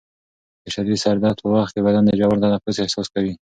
د شدید سر درد په وخت کې بدن د ژور تنفس احساس کوي.